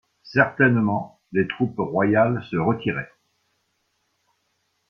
Certainement les troupes royales se retiraient.